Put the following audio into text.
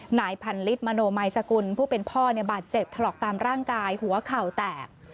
นายพันลิศมโนมัยสกุลผู้เป็นพ่อบาดเจ็บถลอกตามร่างกายหัวเข่าแตก